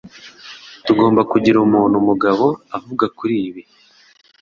Tugomba kugira umuntu-mugabo avuga kuri ibi.